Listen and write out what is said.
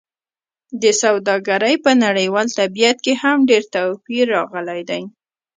د سوداګرۍ په نړیوال طبیعت کې هم ډېر توپیر راغلی دی.